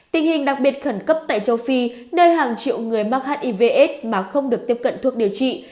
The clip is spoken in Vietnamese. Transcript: tình hình đặc biệt khẩn cấp tại châu phi nơi hàng triệu người mắc hivs mà không được tiếp cận thuốc điều trị